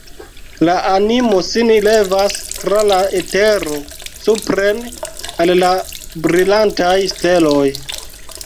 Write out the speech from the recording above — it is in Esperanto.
La animo sin levas tra la etero supren, al la brilantaj steloj!